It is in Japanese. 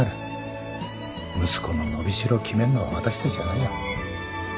息子の伸び代を決めるのは私たちじゃないよ。